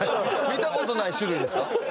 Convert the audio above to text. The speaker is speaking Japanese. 見た事ない種類ですか？